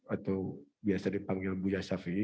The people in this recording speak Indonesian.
atau biasa dipanggil buya shafi'i